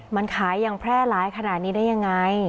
มันขายอย่างแพร่ร้ายขนาดนี้ได้ยังไง